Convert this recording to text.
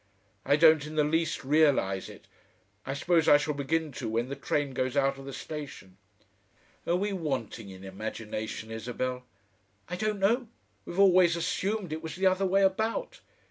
I don't in the least realise it. I suppose I shall begin to when the train goes out of the station. Are we wanting in imagination, Isabel?" "I don't know. We've always assumed it was the other way about."